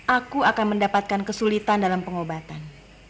aku akan mendapatkan kesulitan dalam pengobatan